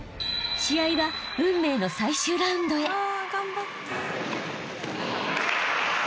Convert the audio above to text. ［試合は運命の最終ラウンドへ］